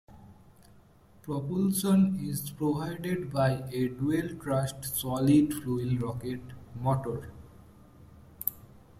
Propulsion is provided by a dual-thrust solid fuel rocket motor.